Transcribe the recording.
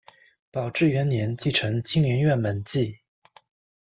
宝治元年继承青莲院门迹。